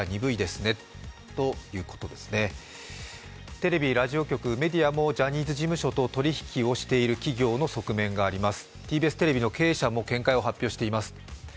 テレビラジオ局、メディアもジャニーズ事務所と取引をしている企業の側面もあります